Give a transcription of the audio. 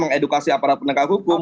mengedukasi aparat penegak hukum